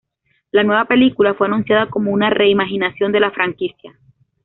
La nueva película fue anunciada como una "re-imaginación" de la franquicia.